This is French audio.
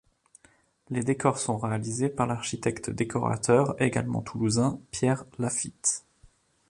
Les décors sont réalisés par l'architecte-décorateur, également toulousain, Pierre Laffitte.